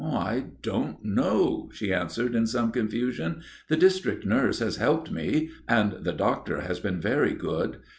"I don't know," she answered in some confusion. "The district nurse has helped me and the doctor has been very good.